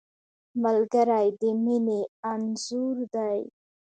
ملګری د مینې انځور دی